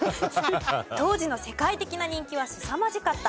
当時の世界的な人気はすさまじかった。